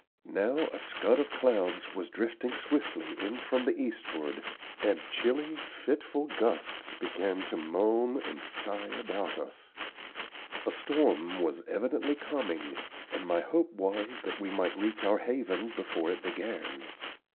Now a scud of clouds was drifting swiftly in from the eastward, and chilly, fitful gusts began to moan and sigh about us. A storm was evidently coming, and my hope was that we might reach our haven before it began.